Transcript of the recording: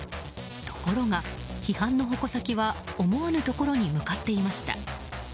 ところが、批判の矛先は思わぬところに向かっていました。